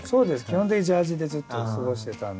基本的にジャージでずっと過ごしてたんで。